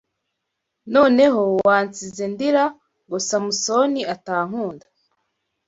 Noneho wansize ndira ngo Samusoni atankunda